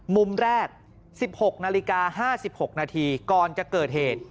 มุมแรก๑๖นาฬิกา๕๖นาทีก่อนจะเกิดเหตุ